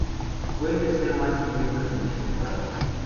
Fue el tercero más intenso de dicha temporada.